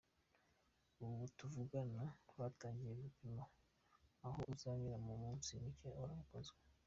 Ubu tuvugana batangiye gupima aho uzanyura mu minsi mike uraba ukozwe.